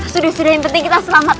sudah sudah yang penting kita selamat